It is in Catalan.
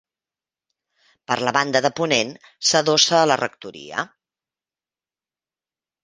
Per la banda de ponent s'adossa a la rectoria.